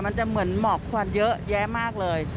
มันจะเหมือนหมอกควันเยอะแยะมากเลย